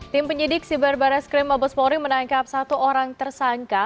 tim penyidik siber barreskrim mabespori menangkap satu orang tersangka